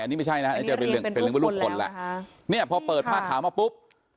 อันนี้ไม่ใช่นะครับอันนี้เรียงเป็นรูปคนแล้วนะคะนี่พอเปิดผ้าขาวมาปุ๊บ